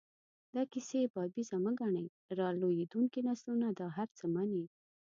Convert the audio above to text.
دا کیسې بابیزه مه ګڼئ، را لویېدونکي نسلونه دا هر څه مني.